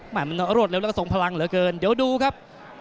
มันรวดเร็วแล้วก็ส่งพลังเหลือเกินเดี๋ยวดูครับ